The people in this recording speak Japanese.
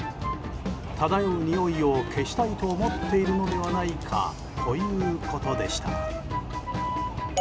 漂うにおいを消したいと思っているのではないかということでした。